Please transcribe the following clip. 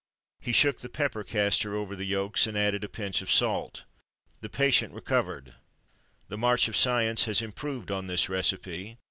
He shook the pepper castor over the yolks and added a pinch of salt. The patient recovered. The march of science has improved on this recipe.